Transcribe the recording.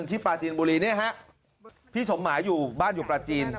ปลาจีนบุรีเนี่ยฮะพี่สมหมายอยู่บ้านอยู่ปลาจีน